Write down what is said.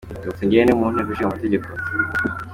Dr Ngirente mu Nteko Ishinga Amategeko.